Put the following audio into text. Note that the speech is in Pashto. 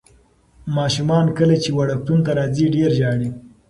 ماشومان کله چې وړکتون ته راځي ډېر ژاړي.